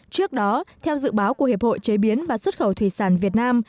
trước đó theo dự báo của hiệp hội chế biến và xuất khẩu thủy sản việt nam